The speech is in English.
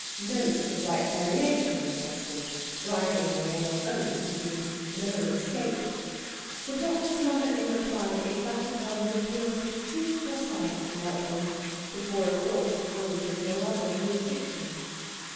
Note the slight variation in the question, driving the nail home, leaving no escape. The doctor's manner in reply is that of one who appeals to Truth herself to help him, before a court that acknowledges no other jurisdiction.